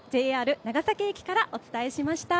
ＪＲ長崎駅からお伝えしました。